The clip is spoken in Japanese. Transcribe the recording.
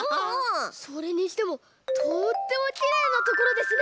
それにしてもとってもきれいなところですね！